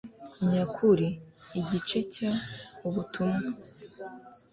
nyakuri igice cya ubutumwa